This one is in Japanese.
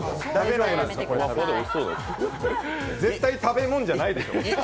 絶対食べ物じゃないでしょ！